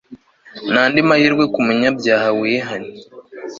n'andi mahirwe ku munyabyaha wihannye